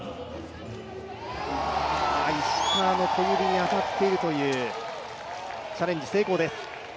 石川の小指に当たっているという、チャレンジ成功です。